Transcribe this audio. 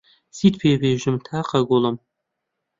چیت پێ بێژم تاقە گوڵم